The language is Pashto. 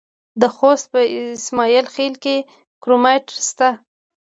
د خوست په اسماعیل خیل کې کرومایټ شته.